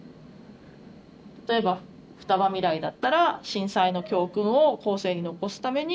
例えばふたば未来だったら「震災の教訓を後世に残すために」。